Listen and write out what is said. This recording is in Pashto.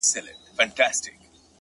ټوله وركه يې،